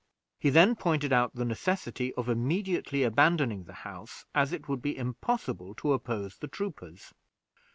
He then pointed out the necessity of immediately abandoning the house, as it would be impossible to oppose the troopers.